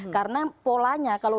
karena polanya kalau